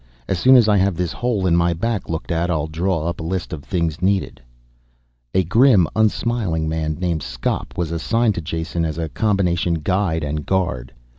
"As soon as I have this hole in my back looked at I'll draw up a list of things needed." A grim, unsmiling man named Skop was assigned to Jason as a combination guide and guard.